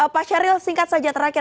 pak syahril singkat saja terakhir